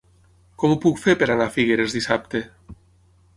Com ho puc fer per anar a Figueres dissabte?